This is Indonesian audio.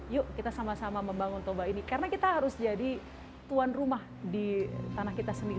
yuk kita sama sama membangun toba ini karena kita harus jadi tuan rumah di tanah kita sendiri